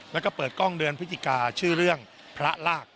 แล้วก็เปิดกล้องเดือนพฤศจิกาชื่อเรื่องพระราก